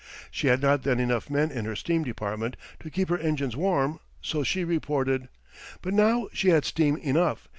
She had not then enough men in her steam department to keep her engines warm, so she reported. But now she had steam enough.